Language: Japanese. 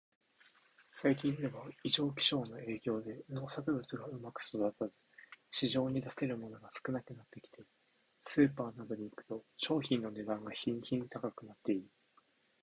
最近では、異常気象の影響で農作物がうまく育たず、市場に出せるものが少なくなってきて、スーパーなどに行くと食品の値段が日に日に高くなっている。